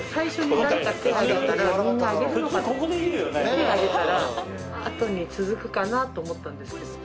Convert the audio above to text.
手挙げたらあとに続くかなと思ったんですけど。